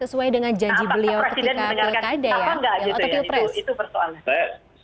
sesuai dengan janji beliau ketika pkd ya untuk yopres